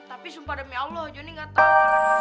tapi sumpah demi allah jonny gak tau